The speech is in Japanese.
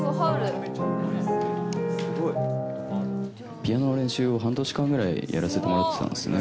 ピアノの練習を半年間やらせてもらってたんですね。